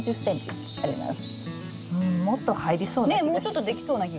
うんもっと入りそうな気が。